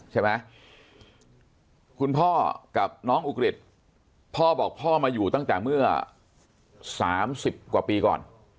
ใช่ไหมคุณพ่อกับน้องอุกฤษพ่อบอกพ่อมาอยู่ตั้งแต่เมื่อ๓๐กว่าปีก่อน